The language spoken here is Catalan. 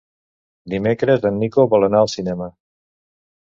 Dimecres en Nico vol anar al cinema.